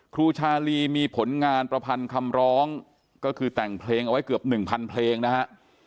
ครูชาลีมีผลงานประพันธ์คำร้องก็คือแต่งเพลงเอาไว้เกือบ๑๐๐เพลงนะฮะ